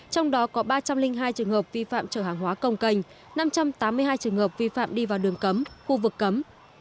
trong đó có ba trăm linh hai trường hợp vi phạm trở hàng hóa công cành năm trăm tám mươi hai trường hợp vi phạm đi vào đường cấm khu vực cấm